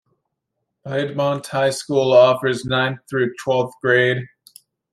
Piedmont High School offers ninth through twelfth grade.